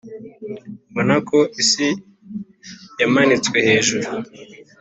mbona ko isi yamanitswe hejuru